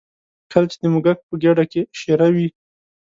کله چې د موږک په ګېډه کې شېره وي.